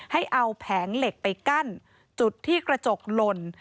ให้เอาแผงเหล็กไปกั้นจุดที่กระจกหล่น